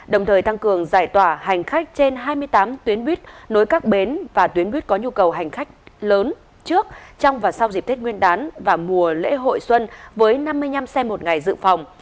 đồng thời tăng cường giải tỏa hành khách trên hai mươi tám tuyến buýt nối các bến và tuyến buýt có nhu cầu hành khách lớn trước trong và sau dịp tết nguyên đán và mùa lễ hội xuân với năm mươi năm xe một ngày dự phòng